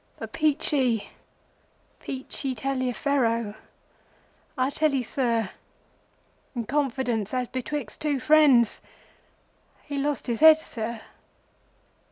But Peachey, Peachey Taliaferro, I tell you, Sir, in confidence as betwixt two friends, he lost his head, Sir.